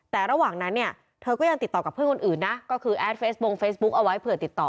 แต่ระหว่างนั้นเนี่ยเธอก็ยังติดต่อกับเพื่อนคนอื่นนะก็คือแอดเฟสบงเฟซบุ๊กเอาไว้เผื่อติดต่อ